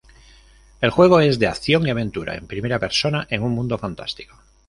El juego es de acción y aventura en primera persona en un mundo fantástico.